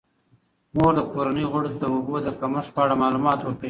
مور د کورنۍ غړو ته د اوبو د کمښت په اړه معلومات ورکوي.